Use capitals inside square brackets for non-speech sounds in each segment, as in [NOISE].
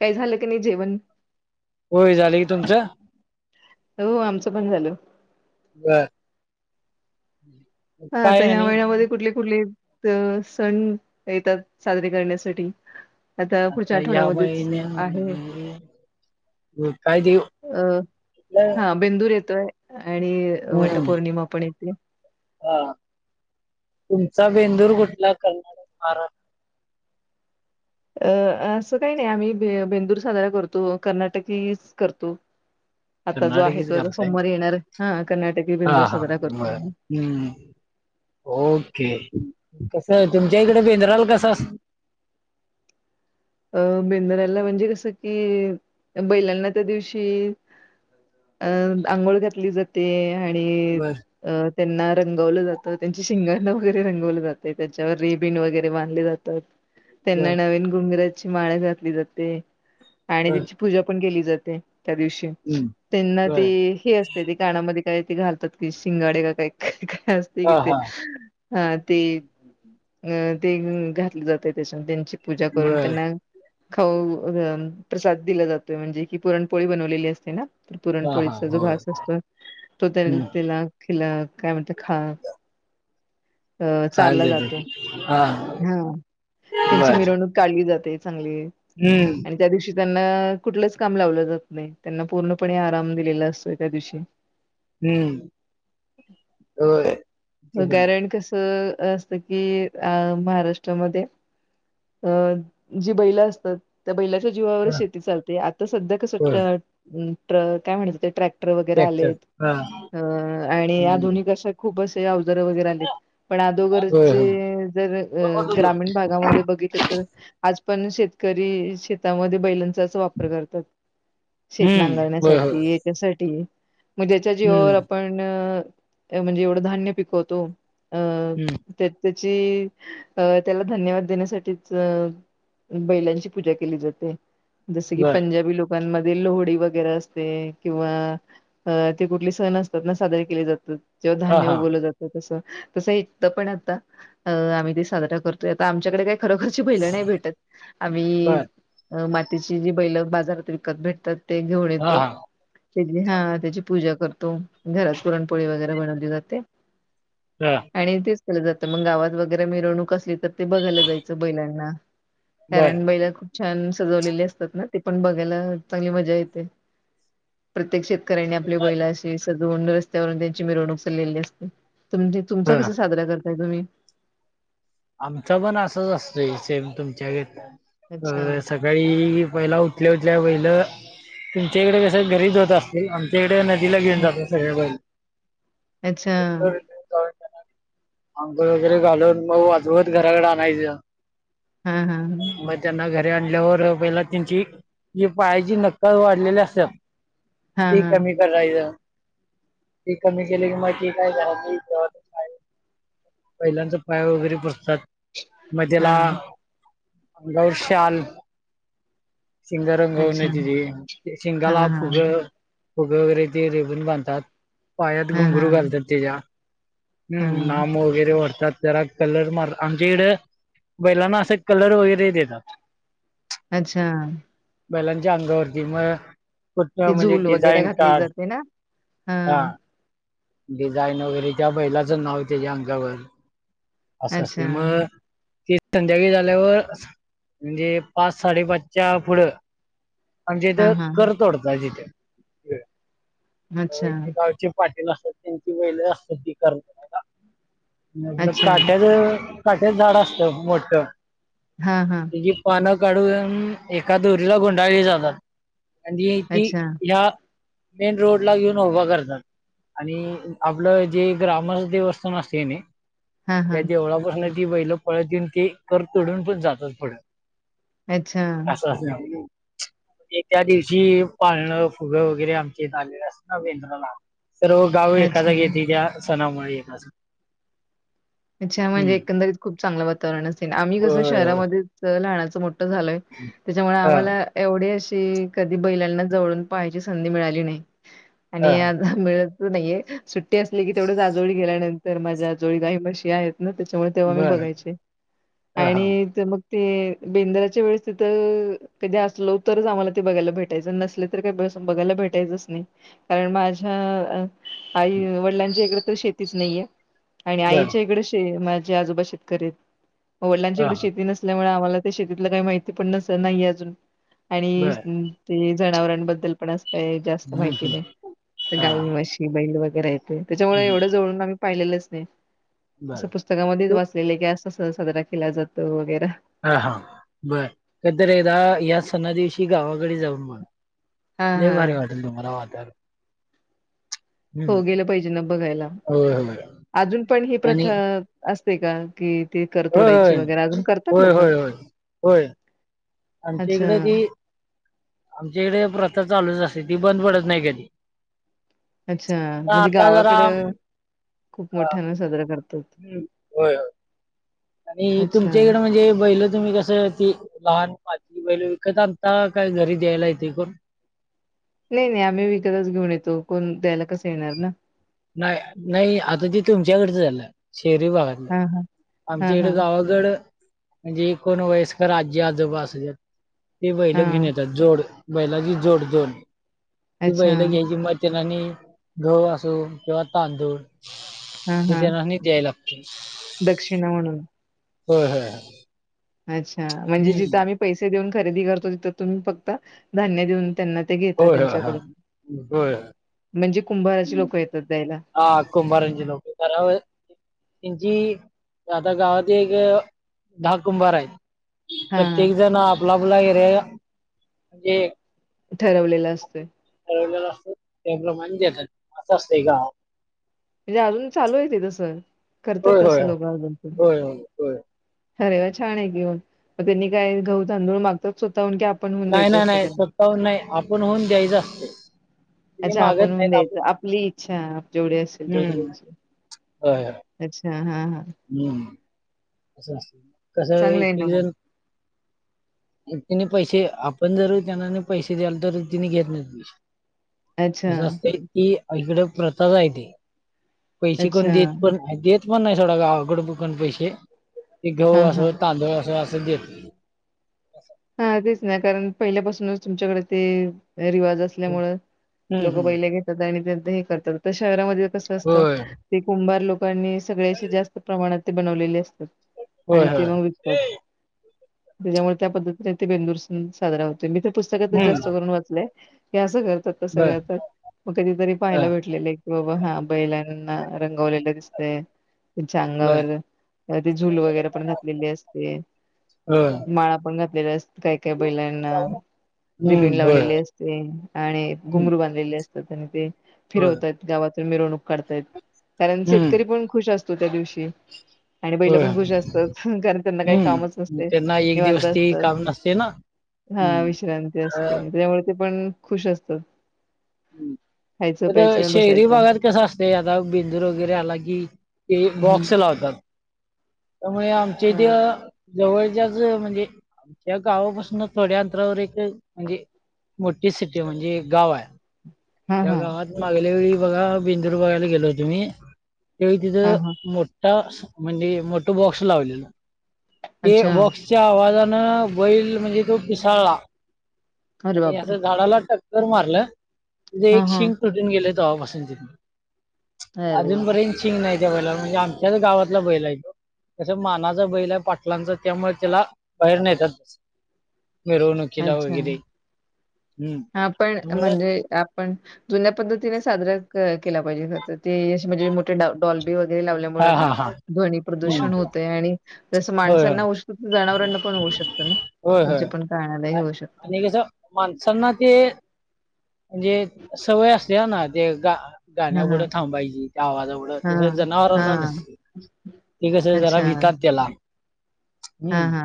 काय झालं? कनइ जेवण होय झालं की तुमचं हो आमचं पण झालं. बरं. हा आता ह्या महिन्यामध्ये कुठले कुठले? तर सण येतात साजरे करण्यासाठी. आता पुढच्या या आठवड्यामध्येच महिन्या आहे. काय देऊ अं कुठलं हा बेंदूर येतोय. आणि हम्म वटपौर्णिमा पण येते. हा तुमचा बेंदूर कुठला कर्नाटक महाराष्ट्र. [UNINTELLIGIBLE] अ असं काही नाही आम्ही बेंदूर साजरा करतो कर्नाटकी करतो. आता जो आहे कर्नाटकीच तो आता करताय सोमवार येणार हा कर्नाटक हा बेंदूर हा साजरा बर करतो. हम्म ओके. कस तुमच्या इकडे बेंद्राल कस असं अं बेदऱला म्हणजे कसं कि बैलांना त्या दिवशी अ आंघोळ घातली जाते आणि बर अ त्यांना रंगवलं जातं त्यांची शिंगण वगैरे रंगवलं जाते त्यांच्यावर रेबिन वगैरे मानधले जातात. बर त्यांना नवीन गुंगराची माळ घातली जाते आणि बर त्यांची पूजा पण केली. त्या हम्म त्यांना बर अस काना मध्ये काय ते घालतात की शिंगाडे का काय काय असते हा कि ते. हा हा ते अ ते घातले जाते त्याच्या त्यांची पूजा करून. बर त्यांना खाऊ प्रसाद दिला जातोय म्हणजे की पुरणपोळी बनवलेली असते ना. तर हा हा पुरणपोळीचा जो होय घास असतो तो त्या हम्म त्याला खि काय म्हण. तर खा. अ चारला खायला जातो देतो हा हा त्यांची बर मिरवणूक काढली जाते. हम्म आणि त्या दिवशी. त्यांना कुठलंच काम लावलं जात नाही त्यांना पूर्णपणे आराम दिलेला असतो त्या दिवशी. हम्म होय. ते पण आहे गॅरण कसं असत की अ महाराष्ट्रामध्ये. अ जी बैला असतात त्या बैला. जीवावर हा शेती चालते आता सध्या कस होय काय म्हण ट्रॅक्- टर वगैरे ट्रॅक्टर आलेत. हा आणि आधुनिक अश्या खूप असे अव- र वगैरे आलीत पण होय अदोगरचे होय जर ग्रामीण भागामध्ये बघितले तरं. आज पण शेतकरी शेतामध्ये बैलां- वापर करतात शेत हम्म होय होय नांगरण्यासाठी याच्यासाठी- मग त्याच्या हम्म जीवावर आपण म्हणजे एवढं धान्य पिकवतो. अं हम्म त्या त्याची अ त्याला धन्यवाद देण्यासाठीच अ- बैलांची पूजा केली जाते. जस की बर पंजाबी लोक, पण मध लोहडी वगैरे असते किंवा ते कुठले सण असतात ना साजरे केले जातात. तेव्हा हा धान्य हा उगवलं जातं. तसं एक पण आता आम्ही ते साजरा करतोय आता आमच्याकडे कायं. खरोखरची बैल नाही भेटत आम्ही- बर त्याची जी बैल बाजारात विकत भेटतात ते घेऊन हा येतो. हा त्या हा त्याची पूजा करतो घरात पुरणपोळी वगैरे बनवली जाते. हा आणि तेच केलं जात मग गावात वगैरे मिरवणूक असली, तर ते बघायला जायचं बैलांना. बर कारण बैला खूप- छान सजवलेले असतात ना ते पण बघायला चांगली मजा येते. प्रत्येक शेत- र्यायांनी आपली बैलाशी सजवून रस्त्यावरून त्यांची मिरवणूक चाललेली असते. तुमज तुमचा हा कसा साजरा करताय तुम्ही? आमचं पण असंच असतं सेम तुमच्या गत. अच्छा अ सकाळी पहिला उठल्या उठल्या बैल. तुमच्याकडे कसं घरीच होत असतील. आमच्या इकडे नदीला घेऊन ह जातात सगळे बैल. अच्छा. अंघोळ वगैरे घालून मगं वाजवत घराकडे आणायचं. हा हा मग त्यांना घर आणल्यावर पहिला त्यांची पायाची नख वाढलेली असतात हा ती हा कमी करायचं. ती कमी केली की, मग ती काय घरातली [UNINTELLIGIBLE] बैलांच पाय वगैरे पुजतात. मगं त्याला हा अंगावर शाल शिंग रंगवने अच्छा तिची हा शिंगाला हा फुग फुग वगैरे ते रेबीन बांधतात, पायात हा हा घुंगरू घालतात त्याच्या. हा हम नाम वगैरे ओडतात जरा कलर मार आमच्या इकडं बैलांना असं कलर वगैरे देतात. अच्छा! बैलांच्या अंगावरती मगं ती कुठं म्हणजे झूल वगैरे डिझाईन घातली काढ जाते ना हा डिझाईन वगैरे त्या बैलाचं नाव त्याच्या अंगावर असं असते अच्छा मग ते संध्याकाळी झाल्यावर म्हणजे, पाच साडेपाचच्या पुढं आमच्या हा इथं हा कर तोडतात इथे अच्छा गावचे पाटील असतात. त्यांची बैल असतात ती कर तोडायला, मग हे अच्छा काट्याच काट्याच झाड असतं मोठ हा हा त्याची पान काढून एका दोरीला गुंडाळली जातात, आणि ती अच्छा ह्या मेन रोड ला घेऊन उभा करतात. आणि आपलं जे ग्रामस्थ देवस्थान असतय कि हा हा नाय देवळापासन ती बैल पळत येऊन ते कर तोडून पण जातात, पुढं अच्छा असं असतयं. त्या दिवशी पाळणं फुग वगैरे आमचे आलेलं असत ना, बेंद्राला. सर्व गाव एका जागी अच्छा येतय, त्या सणामुळे एका अच्छा! म्हणजे एकंदरीत खूप चांगलं वातावरण असेल, आम्ही कसं होय होय. शहरामध्येच लहानाचं मोठं झालोय त्याच्यामुळे ह आम्हाला एवढं असे कधी बैलांना जवळून पहायची संधी मिळाली नाही, आणि ह आज नाहीये सुट्टी असली की, तेवढ्याच आजोळी गेल्यानंतर माझ्या आजोळी गाई, म्हशी आहेत. ना त्याच्यामुळे तेव्हा मी बर बघायचे, ह हा आणि ते मग ते बेंदराच्या वेळेस तिथं कधी असलो तरच, आम्हाला ते बघायला भेटायचं नसले तर काही बघायला भेटायचंच नाही कारण माझ्या आई वडिलांची इकडे तर शेतीच नाहीये आणि आई बर माझ्या आजोबा शेतकरी ह वडिलांच्या कडे हा शेती नसल्यामुळ मला शेतीत काही माहिती पण नाही अजून आणि बर ते जनावरांबद्दल पण अस काही जास्त हम्म माहिती नाही, हम्म हा गाय, म्हशी, बैल वगैरे त्याच्यामुळे हम्म एवढं जवळून आम्ही पाहिलेलंच नाही, बर असं पुस्तकामध्येच तू वाचलेलं की कस साजरा केला जातो वगैरा हा हा बरं कधी तर एकदा या सणा दिवशी गावाकडे जाऊन बघं. हा लय हा. भारी वाटेल तुम्हाला वाातावर. हो गेलं पाहिजे, न बघायला होय होय अजून पण ही आणि प्रथा अस असते का, की? होय होय होय होय. आमच्या अच्छा इकडे ती आमच्या इकडे प्रथा चालूच असते, ती बंद पडत नाही कधी. अच्छा! म्हणजे आता जरा गावाकड हम्म खूप मोठ्यान साजरा करतात. हम होय होय. आणि तुमच्या अच्छा. इकडे म्हणजे बैल तुम्ही कसं ती लहान मातीची बैल विकत आणता काय घरी दयायला येतय कोण? नाही नाही आम्ही विकतच घेऊन येतो कोण द्यायला कसं येणार ना. नाही नाही आता ते तुमच्याकडच झालं. शहरी भागातलं हां, हां. हां, आमच्या इकडे हां. गावाकडं म्हणजे एकोण वयस्कर आजी आजोबा अस ते बैलं घेऊन हां. येतात जोड. बैलाची जोड दोन मग ती अच्छा. बैलं घ्यायची मग त्यांनास्नी गहू असो किंवा तांदूळ हां, हे हां. त्यांना द्यायला लागतय. दक्षिणा म्हणून होय होय. अच्छा म्हणजे हम्म जिथं आम्ही पैसे देऊन खरेदी करतो तिथं तुम्ही फक्त धान्य देऊन त्यांना ते घेतात होय होय हा त्यांच्याकडून हं. होय. म्हणजे कुंभाराचे लोक येतात. द्यायला. हा कुंभारांची लोक त्यांची आता गावात एक दहा कुंभार आहेत. हां, हां. प्रत्येक जण आपला आपला एरिया ते ठरवलेला असतोय. त्याप्रमाणे देतात असं असतं गावात. म्हणजे अजून चालू आहेेत तसं करतात होय होय तसं लोक अजून होय होय होय. अरे वा छान आहे घेऊन मग त्यांनी काय गहू तांदूळ मागतात? स्वतःहून की आपण हून नाही द्यायचं नाही असतं नाही त्यांना? स्वतःहून नाही आपण होऊन द्यायचं असतं. अच्छा आपण होऊन द्यायचं आपली इच्छा जेवढे असेल तेवढे हम्म द्यायचे होय होय. अच्छा हा हा. हम्म असतं कसं चांगलं एक आहे ना एक मग. जण तिने पैसे आपण जर त्यांना पैसे द्याल तर तिने घेत नाही पैसे. अच्छा, कसं असतय की इकडं प्रथाच आहे ती. पैसे अच्छा. कोण देत पण देत पण नाही सोडा गावाकडं कोण पैसे. गहू हां, हां. असं तांदूळ असं असं देतात. नाही कारण पहिल्यापासूनच तुमच्याकडे ते रिवाज असल्यामुळे हम्म लोक हम्म बैले घेतात आणि हे करतात तर शहरामध्ये कसं असतं होय ते कुंभार लोकांनी सगळ्याशी जास्त प्रमाणात ते बनवलेले असते. होय आणि ते होय मग विकतात त्याच्यामुळे त्या पद्धती बेंदूर सण साजरा होतो मी ते पुस्तकातच जास्त हम्म करून वाचलंय की असं कर सगळ बर आता मग कधीतरी ह पाहिलेलं भेटलेलं आहे. बाबा हा बैलांना रंगवलेलं दिसतंय. त्याच्या बर अंगावर ते झूल वगैरे पण घातलेली असते होय माळा पण घातल्या काही काही बैलांना रिबीन हम्म होय लावलेली असते आणि हम्म घुंगरू बांधलेले असते. त्यांनी ते होय फिरवतायत गावातून मिरवणूक काढतायत कारण हम्म शेतकरी पण खुश असतात. तर त्या दिवशी आणि बैलं होय पण खुश असतात कारण त्यांना काही कामच हम्म नसते मी त्यांना एक निवांत दिवस ते काम नसते ना हा हम्म विश्रांती अ असते त्यामुळे ते पण खुश असतात. खायचं प्यायचं शहरी बसायचं भागात कसं असते आता बेंदूर वगैरे आला कि ते हम्म. बॉक्स लावतात. त्यामुळे आमच्या हा इथे जवळच्याच म्हणजे आमच्या गावापासून थोड्या अंतरावर एक म्हणजे मोठी सिटी म्हणजे गाव आहे. हा या हा गावात मागल्या वेळी बघा बिंदूर बघायला गेलो होतो मी त्यावेळी हा तिथं हा मोठा म्हणजे मोठं बॉक्स लावलेलं. ते अच्छा बॉक्सच्या आवाजानं बैल म्हणजे तो पिसाळला. अरे आणि बापरे असं झाडाला टक्कर मारलं त्याच हा एक हा शिंक तुटून गेले तेव्हा पासून तिथे अरे अजून पर्यंत शिंग नाही त्या बैलाला म्हणजे आमच्याच गावातला बैला आहे तो. तसं मानाचा बैल आहे पाटलांच त्यामुळे त्याला बाहेर नेतात. मिरवणुकीला वगैरे हम्म हा पण त्यामुळे म्हणजे. आपण जुन्या पद्धतीने साजरा कर केला पाहिजे खरं तर ते असे म्हणजे मोठे डॉल्बी वगैरे हा लावल्यामुळे हा ना. हा ध्वनी हम्म प्रदूषण होतय आणि जसं होय होय माणसांना होऊ शकतं. तसंच जनावरांना पण होऊ शकतं ना. होय होय त्यांच्या पण काणालाही आ- होऊ शकत. आणि कसं माणसांना ते. म्हणजे सवय असते ना ते गा. गाण्या हां, पुुडं हां. थांबायची. त्या आवाजामुळेढ तस जनावरांना हां, हां. नसते ते कस जरा भी भितात त्याला. हा हा. हम्म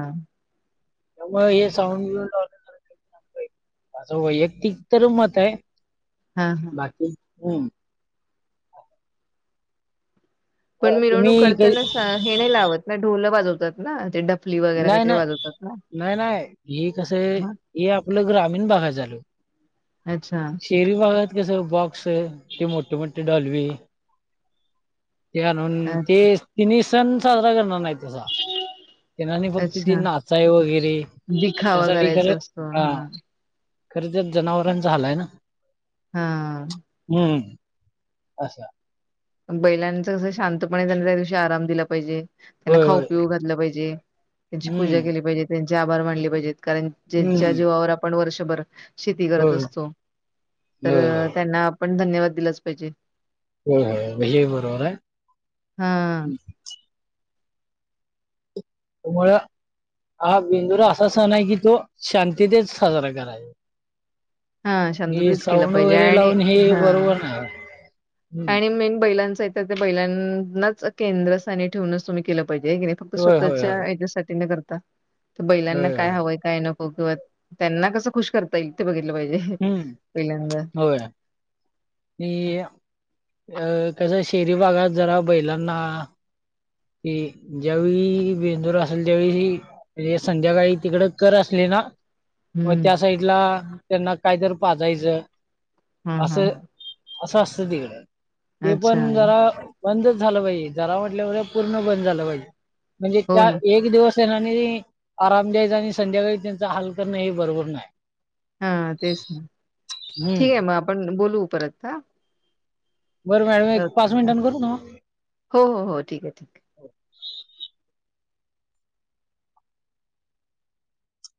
त्यामुळे हे साऊंड-ब्युंड [INAUDIBLE] असं वैयक्तिक तर मत आहे हा. हा. हम्. अ, पण मिरवणूक तुम्ही करताना. काही- हे नाही लावत ना. ढोल वाजवतात ना ते डफली वगैरे काहीतरी वाजवतात ना? नाही-नाही-नाही-नाही हे कस. मग? हे आपल्या ग्राममीण भागात झाल. अच्छा. शहरी भागात. कस बॉक्स ती मोठी-मोठी डॉल्बी. ते अ आणून ते. तिन्ही सण साजरा करणार नाहीत तसा. त्यांनासनी फक्त ते अच्छा. नाचाय वगैरे दिखावा त्यासाठी खरे करायचा असतो. हा हां, खरे तर जनावरांचा हाल हाय ना. हा. हम. अस. बैलांच कस. शांतपणे त्यांना त्या दिवशी आराम दिला पाहिजे. त्यांना होय होय खाऊ-पिऊ घातलं पाहिजे. त्यांची हम्म पूजा केली पाहिजे. त्यांचे आभार मानले पाहिजे. कारण जेच्या हम्म जीवावर आपण वर्षभर. शेती करत होय असतो. तर होय होय त्यांना आपण धन्यवाद दिलाच पाहिजे. होय-होय हे ही बरोबर हाय. हा मळ [UNINTELLIGIBLE] हा बिंदूरा असा सण आहे की. तो शांतीेतेच साजरा करायच. हा हे शांततेच केलं साऊंड पाहिजे वगैरे आणि लावून हे हा बरोबर नाही. हम्म आणि मेन बैलांच हायतर. ते बैलांनाच केंद्रस्थानी ठेवूनच तुम्ही केलं पाहिजे. की नाही फक्त होय होय स्वतःच्या होय याच्यासाठी न करता. तर बैलांना होय काय होय हवंय. काय नको. ओके. त्यांना कसं खुश करता येईल. ते बघितलं पाहिजे हम्म पहिल्यांदा. नि. अ कसं शहरी भागात जरा बैलांना कि. ज्यावेळी बेंदूर असेल त्यावेळी. म्हणजे संध्याकाळी तिकड कर असले ना. मग हम्म त्या साइडला त्यांना कायतरी पाजायचं. हा हा असं. असं-असतं तिकड. ते अच्छा, पण जरा बंदच झालं पाहिजे. जरा म्हटल्यावर पूर्ण बंद झालं पाहीजे. म्हणजे हो त्या ना. एक दिवस. आणि आराम द्यायचा. आणि संध्याकाळी त्यांचा हाल करणं हे बरोबर नाही. हा तेच. हम्म ठीक आहे मग आपण बोलवू परत हा. बरं मॅडम एक पाच मिनिटान करून तुम्हाला? हो, हो, हो. ठीक आहे, ठीक.